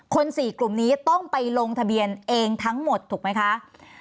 ๔กลุ่มนี้ต้องไปลงทะเบียนเองทั้งหมดถูกไหมคะ